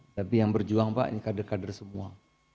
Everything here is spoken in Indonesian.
tapi yang berjuang pak ini kader kader semua